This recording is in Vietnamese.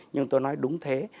nhưng tôi nói đúng thế